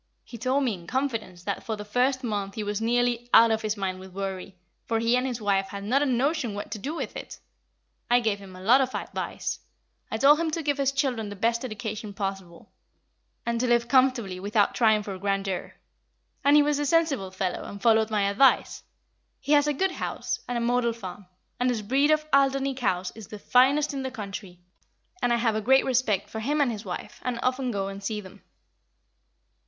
He told me in confidence that for the first month he was nearly out of his mind with worry, for he and his wife had not a notion what to do with it. I gave him a lot of advice. I told him to give his children the best education possible, and to live comfortably without trying for grandeur; and he was a sensible fellow, and followed my advice. He has a good house, and a model farm, and his breed of Alderney cows is the finest in the country; and I have a great respect for him and his wife, and often go and see them."